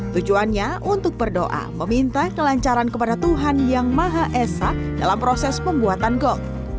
tujuannya untuk berdoa meminta kelancaran kepada tuhan yang maha esa dalam proses pembuatan gol